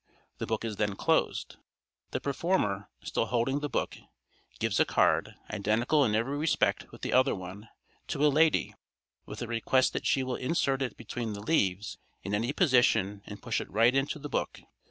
The book is then closed. The performer, still holding the book, gives a card, identical in every respect with the other one, to a lady, with a request that she will insert it between the leaves in any position and push it right into the book.